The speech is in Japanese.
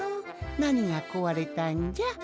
なにがこわれたんじゃ？